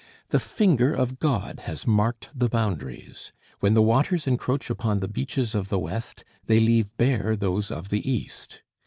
The finger of God has marked the boundaries. When the waters encroach upon the beaches of the west, they leave bare those of the east.